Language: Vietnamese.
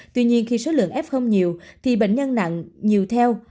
tuy nhiên khi số lượng f nhiều thì bệnh nhân nặng nhiều theo